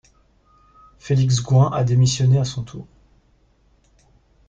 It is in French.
Félix Gouin a démissionné à son tour.